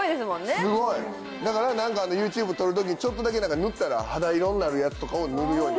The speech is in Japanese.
すごい！だからＹｏｕＴｕｂｅ撮る時ちょっとだけ塗ったら肌色になるやつとかを塗るように。